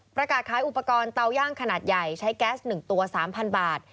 ประกาศขายอุปกรณ์เตาย่างขนาดใหญ่ใช้แก๊ส๑ตัว๓๐๐บาท